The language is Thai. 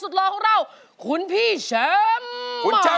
ก็รอของเราคุณพี่แชมป์มา